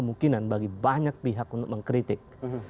jadi ini memang kemungkinan bagi banyak pihak untuk mengkritik